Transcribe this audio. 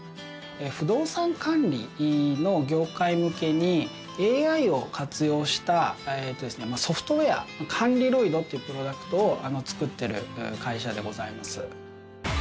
不動産管理の業界向けにＡＩを活用したソフトウェア管理ロイドっていうプロダクトを作ってる会社でございます